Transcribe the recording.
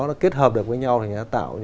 nó kết hợp được với nhau thì nó tạo